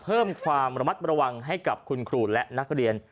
เพิ่มความระมัดระวังให้กับคุณครูและนักเรียน